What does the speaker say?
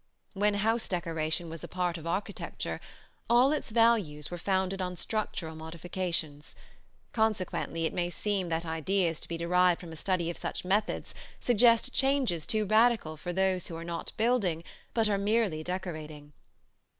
When house decoration was a part of architecture all its values were founded on structural modifications; consequently it may seem that ideas to be derived from a study of such methods suggest changes too radical for those who are not building, but are merely decorating.